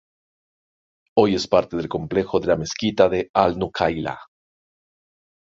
Hoy es parte del complejo de la mezquita de Al-Nukhailah.